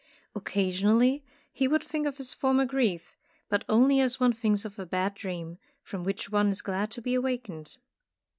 Occasionally he would think of his former grief, but only as one thinks of a bad dream, from which one is glad to be awakened.